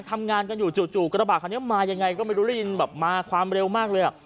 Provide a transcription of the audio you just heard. ทำงานกันอยู่จู่กระบาดคันนี้มายังไงก็ไม่รู้ได้ยินแบบมาความเร็วมากเลยอ่ะ